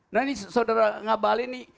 nah ini saudara ngebalin ini